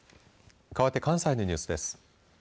かわって関西のニュースです。